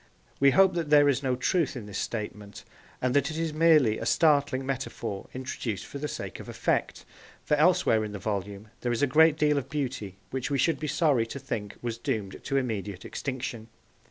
We hope that there is no truth in this statement, and that it is merely a startling metaphor introduced for the sake of effect, for elsewhere in the volume there is a great deal of beauty which we should be sorry to think was doomed to immediate extinction.